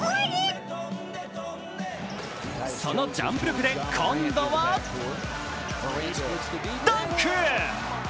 そのジャンプ力で、今度はダンク。